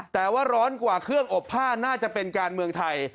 แต่ว่าร้อนกว่าเครื่องอบผ้าน่าจะเป็นการเมืองไทย